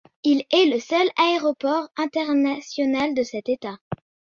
Il est le seul aéroport international de cet État.